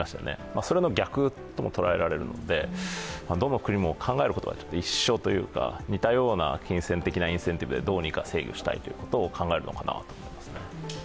それの逆とも捉えられるのでどの国も考えることが一緒というか似たような金銭的なインセンティブでどうにか制御したいと考えるのかと思いますね。